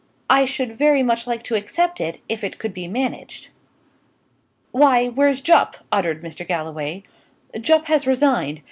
I should very much like to accept it, if it could be managed." "Why, where's Jupp?" uttered Mr. Galloway. "Jupp has resigned.